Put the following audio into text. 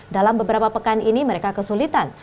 dalam beberapa pekan ini mereka kesulitan